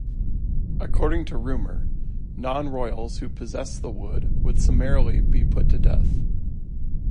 According to rumor, non-royals who possessed the wood would summarily be put to death.